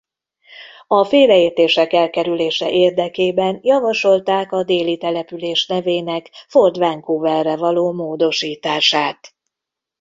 A félreértések elkerülése érdekében javasolták a déli település nevének Fort Vancouverre való módosítását.